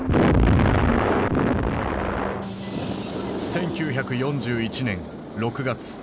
１９４１年６月。